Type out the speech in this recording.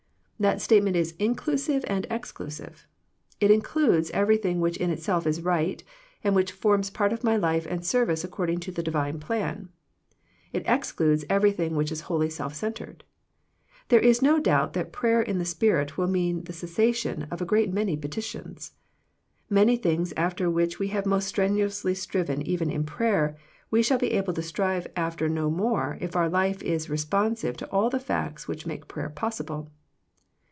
That state ment is inclusive and exclusive. It includes everything which in itself is right, and which forms part of my life and service according to the Divine plan. It excludes everything which is wholly self centred. There is no doubt that prayer in the Spirit will mean the cessation of a great many petitions. Many things after which we have most strenuously striven even in prayer, we shall be able to strive after no more if our life is responsive to all the facts which make prayer possible.